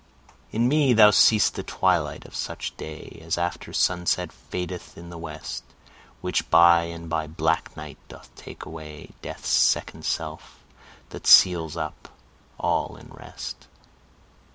In me thou see'st the twilight of such day As after sunset fadeth in the west; Which by and by black night doth take away, Death's second self, that seals up all in rest.